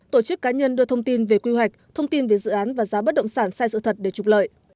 tổ chức cá nhân đưa thông tin về quy hoạch thông tin về dự án và giá bất động sản sai sự thật để trục lợi